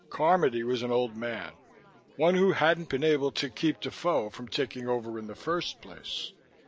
Carmody was an old man; one who hadn't been able to keep Defoe from taking over in the first place.